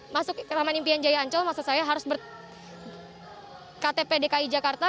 masuk ke taman impian jaya ancol maksud saya harus berktp dki jakarta